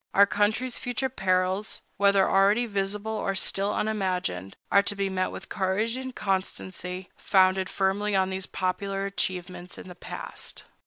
Our country's future perils, whether already visible or still unimagined, are to be met with courage and constancy founded firmly on these popular achievements in the past.